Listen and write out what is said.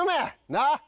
なあ。